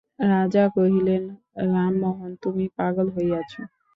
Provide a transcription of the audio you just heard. রাজা কহিলেন, রামমোহন তুমি পাগল হইয়াছ?